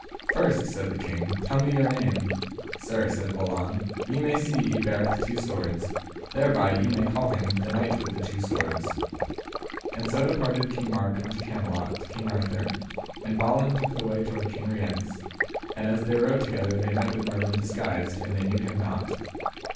First, said the king, tell me your name. Sir, said Balan, ye may see he beareth two swords, thereby ye may call him the Knight with the Two Swords. And so departed King Mark unto Camelot to King Arthur, and Balin took the way toward King Rience; and as they rode together they met with Merlin disguised, but they knew him not.